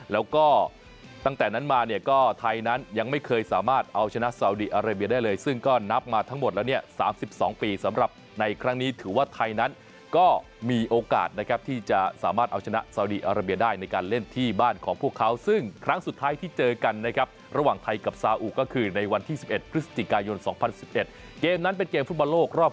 แล้วก็ตั้งแต่นั้นมาเนี่ยก็ไทยนั้นยังไม่เคยสามารถเอาชนะซาวดีอาราเบียได้เลยซึ่งก็นับมาทั้งหมดแล้วเนี่ย๓๒ปีสำหรับในครั้งนี้ถือว่าไทยนั้นก็มีโอกาสนะครับที่จะสามารถเอาชนะซาวดีอาราเบียได้ในการเล่นที่บ้านของพวกเขาซึ่งครั้งสุดท้ายที่เจอกันนะครับระหว่างไทยกับซาอุก็คือในวันที่๑๑พฤศจิกายน๒๐๑๑เกมนั้นเป็นเกมฟุตบอลโลกรอบ